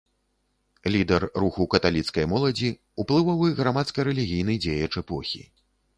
Лідар руху каталіцкай моладзі, уплывовы грамадска-рэлігійны дзеяч эпохі.